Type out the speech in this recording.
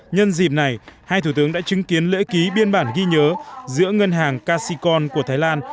nhân dịp này hai thủ tướng đã chứng kiến lễ ký biên bản ghi nhớ giữa ngân hàng casicon của thái lan